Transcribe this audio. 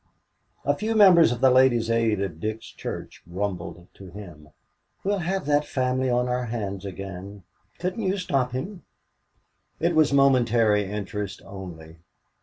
A few members of the Ladies' Aid of Dick's church grumbled to him. "We will have that family on our hands again. Couldn't you stop him?" It was momentary interest only.